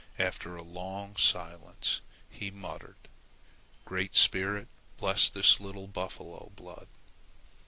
After a long silence, he muttered: "Great Spirit, bless this little buffalo blood."